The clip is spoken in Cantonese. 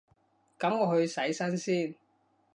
噉我去洗身先